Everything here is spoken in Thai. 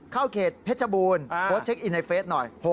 ๕เข้าเขตเพชรบูลโค้ดเช็คอินในเฟซหน่อย